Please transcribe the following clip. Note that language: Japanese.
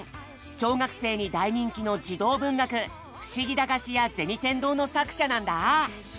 小学生に大人気の児童文学「ふしぎ駄菓子屋銭天堂」の作者なんだ。